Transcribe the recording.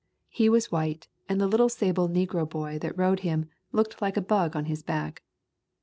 He was white and the little sable negro boy that rode him looked like a bug on his back.